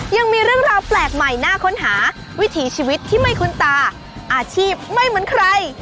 ยังมีเรื่องราวแปลกใหม่น่าค้นหาวิถีชีวิตที่ไม่คุ้นตาอาชีพไม่เหมือนใคร